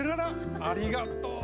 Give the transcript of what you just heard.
ありがとう。